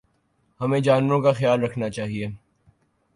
ہمیں جانوروں کا خیال رکھنا چاہیے